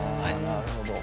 なるほど。